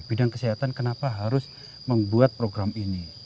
bidang kesehatan kenapa harus membuat program ini